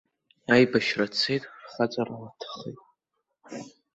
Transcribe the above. Аибашьра дцеит, хаҵарала дҭахеит.